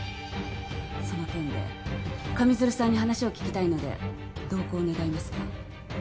その件で上水流さんに話を聞きたいので同行願えますか？